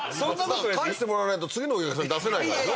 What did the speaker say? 返してもらわないと次のお客さん出せないからでしょ？